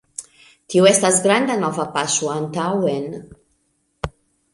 Tio estas granda nova paŝo antaŭen